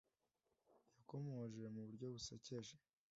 Yakomoje mu buryo busekeje